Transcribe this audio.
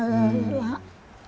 terlambat nggak bisa berfungsi gitu